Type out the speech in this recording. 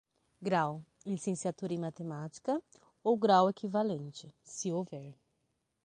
Grau: Licenciatura em Matemática, ou grau equivalente, se houver.